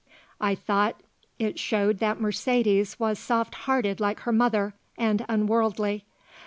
I thought it showed that Mercedes was soft hearted like her mother, and unworldly.